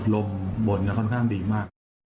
ลมบนค่อนข้างดีมาก